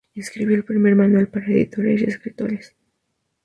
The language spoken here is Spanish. Escribió el primer manual para editores y escritores.